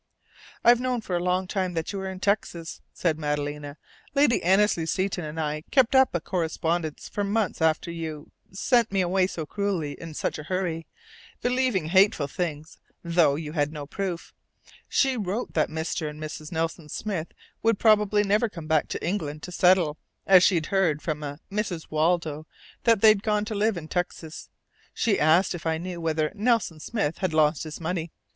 "I've known for a long time that you were in Texas," said Madalena. "Lady Annesley Seton and I kept up a correspondence for months after you sent me away so cruelly, in such a hurry, believing hateful things, though you had no proof. She wrote that 'Mr. and Mrs. Nelson Smith' would probably never come back to England to settle, as she'd heard from a Mrs. Waldo that they'd gone to live in Texas. She asked if I knew whether 'Nelson Smith' had lost his money.